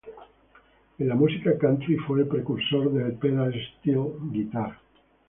En la música country fue el precursor del pedal steel guitar.